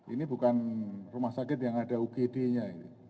ini bukan rumah sakit yang ada ugd nya